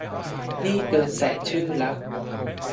นี่เกินแสนชื่อละ